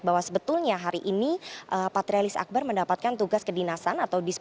bahwa sebetulnya hari ini patrialis akbar mendapatkan tugas kedinasan